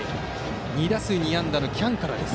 ２打数２安打の喜屋武からです。